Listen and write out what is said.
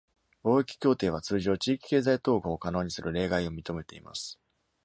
貿易協定は通常、地域経済統合を可能にする例外を認めています。